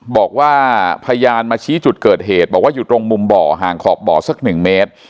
บอกว่าพยานมาชี้จุดเกิดเหตุบอกว่าอยู่ตรงมุมบ่อห่างขอบบ่อสักหนึ่งเมตร